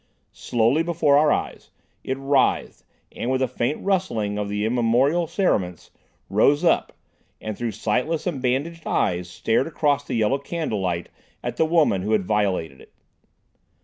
Slowly, before our eyes, it writhed, and, with a faint rustling of the immemorial cerements, rose up, and, through sightless and bandaged eyes, stared across the yellow candlelight at the woman who had violated it.